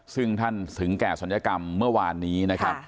ซึ่งท่านถึงแก่ศัลยกรรมเมื่อวานนี้นะครับ